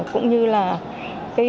cũng như là cơ hội của bà nga